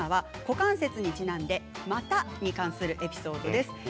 股関節にちなんで、またに関するエピソードです。